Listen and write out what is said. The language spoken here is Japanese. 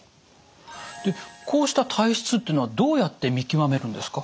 こうした体質っていうのはどうやって見極めるんですか？